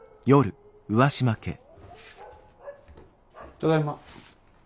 ただいま。